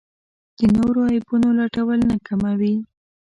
د نورو عیبونو لټول نه کموي.